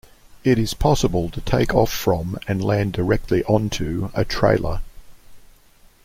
It is possible to take off from and land directly onto a trailer.